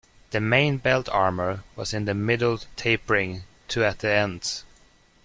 The main belt armor was in the middle tapering to at the ends.